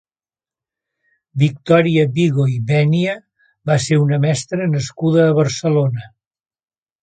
Victòria Vigo i Bènia va ser una mestra nascuda a Barcelona.